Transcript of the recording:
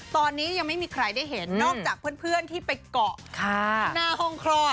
ตอนนี้ยังไม่มีใครได้เห็นนอกจากเพื่อนที่ไปเกาะหน้าห้องคลอด